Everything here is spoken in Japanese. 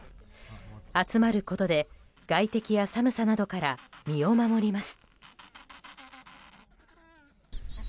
集まることで外敵や寒さなどから身を守ります。